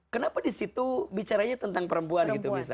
kenapa disitu bicaranya tentang perempuan